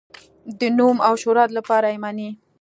د نوم او شهرت لپاره یې مني.